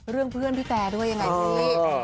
เรื่องเพื่อนพี่แตด้วยยังไงพี่